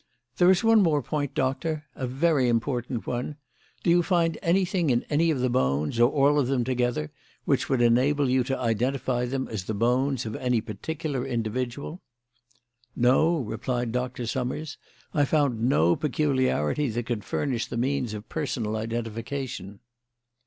"There is one more point, Doctor; a very important one. Do you find anything in any of the bones, or all of them together, which would enable you to identify them as the bones of any particular individual?" "No," replied Dr. Summers; "I found no peculiarity that could furnish the means of personal identification."